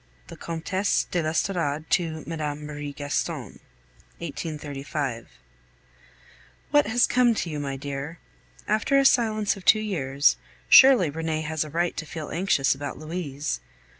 LI. THE COMTESSE DE L'ESTORADE TO MME. MARIE GASTON 1835. What has come to you, my dear? After a silence of two years, surely Renee has a right to feel anxious about Louise.